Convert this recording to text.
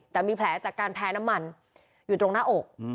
แต่มีแผลจากการแพ้น้ำมันอยู่ตรงหน้าอก